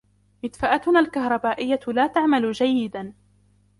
مدفأتنا الكهربائية لا تعمل جيدا.